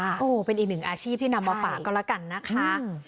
โอ้โหเป็นอีกหนึ่งอาชีพที่นำมาฝากก็แล้วกันนะคะ